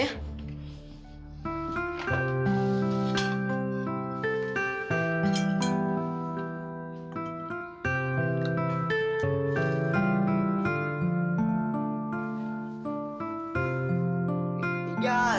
oh iya ini tinggal satu